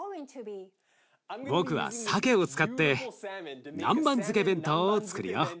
僕はさけを使って南蛮漬け弁当をつくるよ。